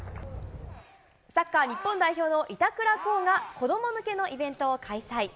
サッカー日本代表の板倉滉が、子ども向けのイベントを開催。